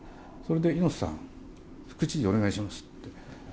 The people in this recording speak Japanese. それで猪瀬さん副知事お願いしますって。